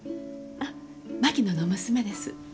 あ槙野の娘です。